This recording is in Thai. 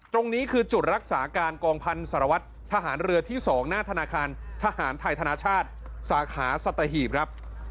ตรงนี้คือจุดรักษาการกองพันธ์สารวัตรทหารเรือที่๒หน้าธนาคารทหารไทยธนาชาติสาขาสัตหีบครับ